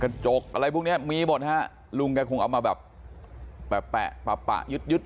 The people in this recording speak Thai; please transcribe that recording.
กระจกอะไรพวกเนี้ยมีหมดฮะลุงแกคงเอามาแบบแปะแปะปะปะยึดยึด